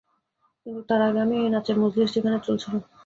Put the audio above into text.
কিন্তু তার আগে আমি এই নাচের মজলিশ যেখানে চলছিল।